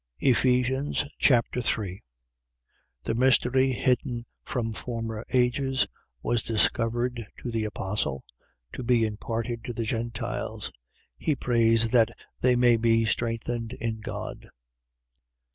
Ephesians Chapter 3 The mystery hidden from former ages was discovered to the apostle, to be imparted to the Gentiles. He prays that they may be strengthened in God.